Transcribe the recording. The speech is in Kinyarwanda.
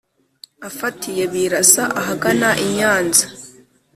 Afatiye Birasa ahagana i Nyanza